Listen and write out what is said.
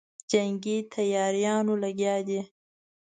جنګي تیاریو لګیا دی.